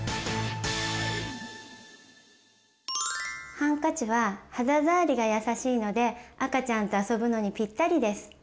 ハンカチは肌触りが優しいので赤ちゃんと遊ぶのにぴったりです。